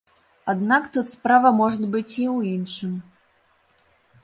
Аднак тут справа можа быць і ў іншым.